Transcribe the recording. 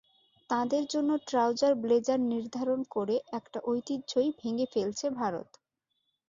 তাঁদের জন্য trouser blazer নির্ধারণ করে একটা ঐতিহ্যই ভেঙে ফেলছে ভারত।